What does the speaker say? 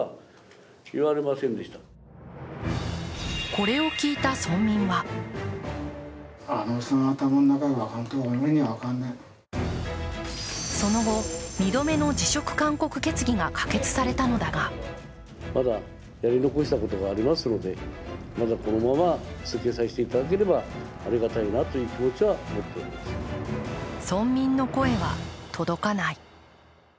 これを聞いた村民はその後、２度目の辞職勧告決議が可決されたのだが村民の声は届かない。